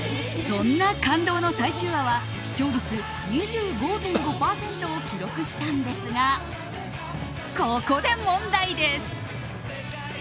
そんな感動の最終話は視聴率２５．５％を記録したんですがここで問題です。